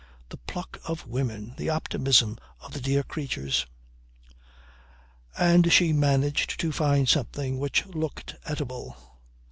The pluck of women! The optimism of the dear creatures! And she managed to find something which looked eatable.